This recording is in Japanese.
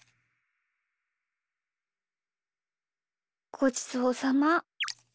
ごちそうさま。